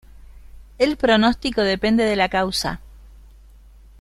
El pronóstico depende de la causa.